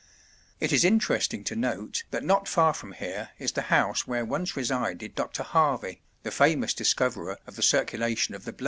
It is interesting to note that not far from here is the house where once resided Dr. Harvey, the famous discoverer of the circulation of the blood.